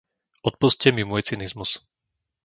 Odpusťte mi môj cynizmus.